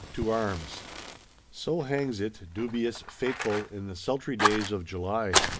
To Arms! So hangs it, dubious, fateful, in the sultry days of July.